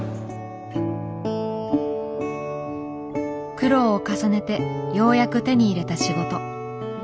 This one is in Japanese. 苦労を重ねてようやく手に入れた仕事。